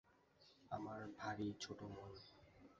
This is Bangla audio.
আমার ভারি ছোটো মন।